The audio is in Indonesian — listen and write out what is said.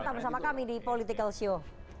tetap bersama kami di political show